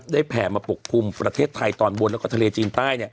ได้แผงปกคลุมประเทศไทยตอนบนและทะเลจีนใต้